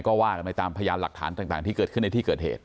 ก็ว่ากันไปตามพยานหลักฐานต่างที่เกิดขึ้นในที่เกิดเหตุ